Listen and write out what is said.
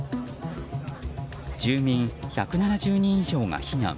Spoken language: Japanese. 住民１７０人以上が避難。